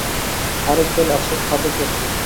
আরেক দল আছে খাদক জাতীয়।